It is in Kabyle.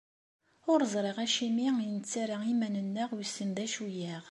Ur ẓriɣ acimi i nettarra iman-nneɣ wissen d acu-aɣ.